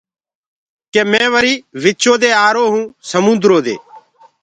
ڪي مي وري وِچو دي آرو هو سموندرو دي۔